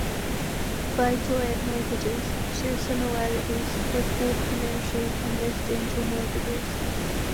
Buy-to-let mortgages share similarities with both commercial and residential mortgages.